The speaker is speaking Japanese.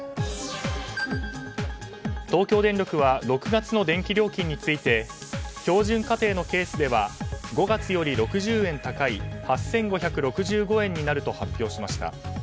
東京電力は６月の電気料金について標準家庭のケースでは５月より６０円高い８５６５円になると発表しました。